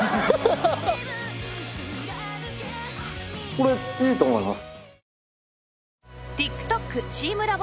これいいと思います。